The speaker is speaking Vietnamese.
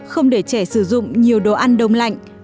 không để trẻ sử dụng nhiều đồ ăn đông lạnh